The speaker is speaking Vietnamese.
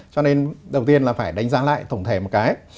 cho nên đầu tiên là phải đánh giá lại tổng thể một cái